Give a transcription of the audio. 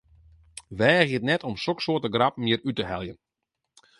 Weagje it net om soksoarte grappen hjir út te heljen!